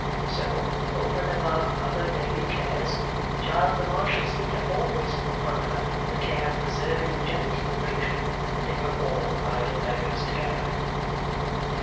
So, over and above other daily cares, the Child of the Marshalsea had always upon her the care of preserving the genteel fiction that they were all idle beggars together.